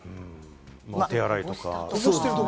お手洗いとか？